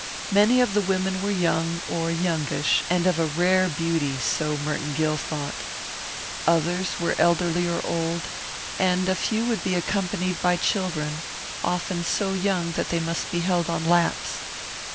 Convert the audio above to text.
Many of the women were young or youngish, and of rare beauty, so Merton Gill thought. Others were elderly or old, and a few would be accompanied by children, often so young that they must be held on laps.